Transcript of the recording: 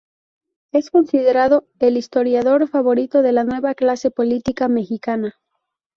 Es considerado "el 'historiador' favorito de la nueva clase política" mexicana.